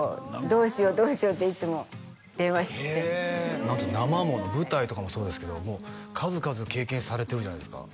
「どうしようどうしよう」っていつも電話して何ていうの生もの舞台とかもそうですけどもう数々経験されてるじゃないですか？